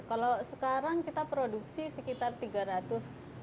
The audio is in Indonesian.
kalau sekarang kita produksi sekitar tiga ratus piece per bulan